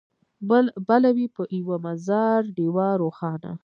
بله وي په یوه مزار ډېوه روښانه